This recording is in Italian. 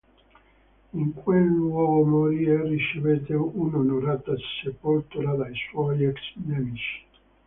In quel luogo morì e ricevette un'onorata sepoltura dai suoi ex nemici.